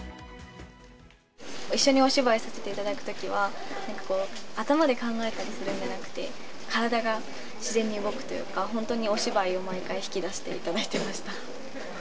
一緒にお芝居させていただくときは、なんかこう、頭で考えたりするんじゃなくて、体が自然に動くというか、本当にお芝居を毎回、引き出していただいてました。